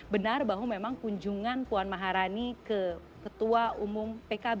benar bahwa memang kunjungan puan maharani ke ketua umum pkb